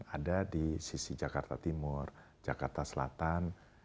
ada di sisi jakarta timur jakarta selatan